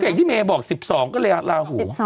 อย่างที่เมย์บอก๑๒ก็เลยลาหู